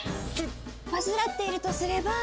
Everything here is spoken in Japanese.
患っているとすれば。